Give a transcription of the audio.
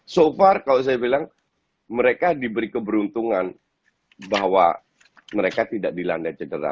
so far kalau saya bilang mereka diberi keberuntungan bahwa mereka tidak dilanda cedera